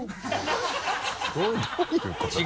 どういうことよ？